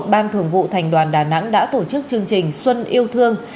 ban thường vụ thành đoàn đà nẵng đã tổ chức chương trình xuân yêu thương